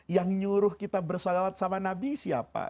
yang nyuruh kita bersalawat sama nabi siapa